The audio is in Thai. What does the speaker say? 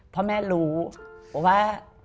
พ่อแม่รู้ว่า